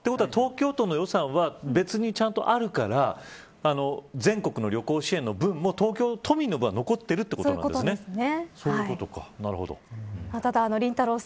ということは東京都の予算は別にちゃんとあるから全国の旅行支援の分も東京都民の分は残っているただ、りんたろー。